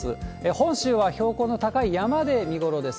本州は標高の高い山で見頃です。